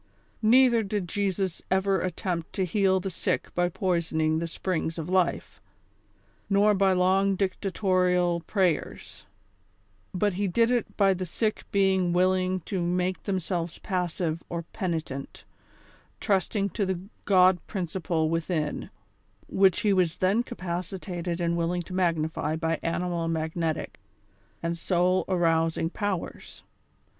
Neither did Jesus ever attempt to heal the sick by poisoning the springs of life, nor by long dicta torial prayers ; but he did it by the sick being willing to make themselves passive or penitent, trusting to the god principle within, which he was then capacitated and wil ling to magnify by animal magnetic and soul arousing powers.